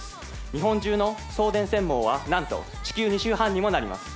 日本中の送電線網はなんと地球２周半にもなります。